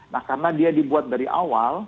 nah karena dia dibuat dari awal